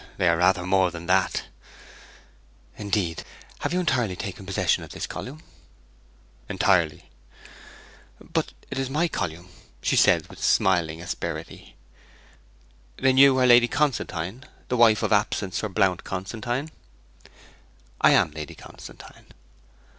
'They are rather more than that.' 'Indeed! Have you entirely taken possession of this column?' 'Entirely.' 'But it is my column,' she said, with smiling asperity. 'Then are you Lady Constantine, wife of the absent Sir Blount Constantine?' 'I am Lady Constantine.'